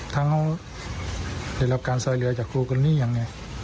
ทั้งในรับการซ่อยเรือจากครูของนี้ยังไง